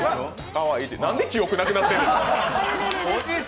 何で記憶なくなってんの？